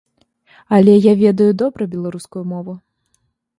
Але я ведаю добра беларускую мову.